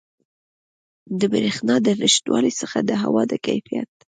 د بریښنا د نشتوالي څخه د هوا د کیفیت